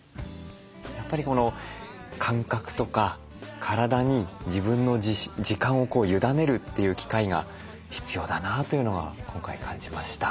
やっぱりこの感覚とか体に自分の時間を委ねるという機会が必要だなというのは今回感じました。